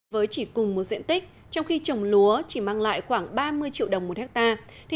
với chỉ cùng một diện tích trong khi trồng lúa chỉ mang lại khoảng ba mươi triệu đồng một hectare